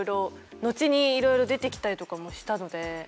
後にいろいろ出て来たりとかもしたので。